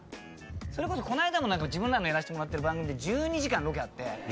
それこそこの間も自分らのやらせてもらってる番組で１２時間ロケあって。